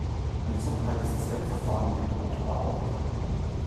Eine Besonderheit ist das M-Verfahren, mit dem der Motor arbeitet.